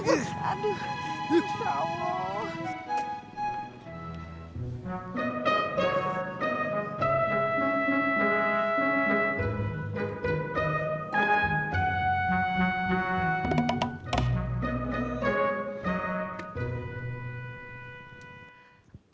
aduh insya allah